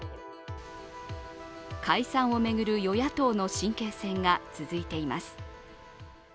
解散を巡る与野党の神経戦が続いています。